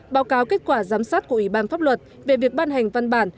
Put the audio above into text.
báo cáo kết quả giám sát của ủy ban pháp luật về việc ban hành văn bản